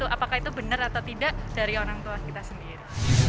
apakah itu benar atau tidak dari orang tua kita sendiri